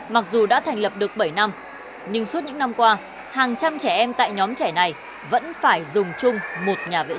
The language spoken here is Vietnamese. mặc dù đã thành lập được bảy năm nhưng suốt những năm qua hàng trăm trẻ em tại nhóm trẻ này vẫn phải dùng chung một nhà vệ sinh